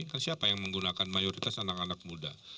kan siapa yang menggunakan mayoritas anak anak muda